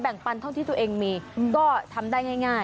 ปันเท่าที่ตัวเองมีก็ทำได้ง่าย